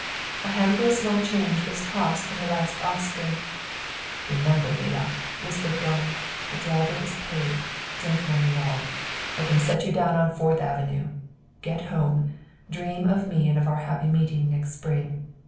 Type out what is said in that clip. A handful of small change was tossed to her as a last offering. "Remember, Leah," whispered Braun. "The driver is paid, drink money and all. Let him set you down on Fourth Avenue. Get home, dream of me and of our happy meeting next spring.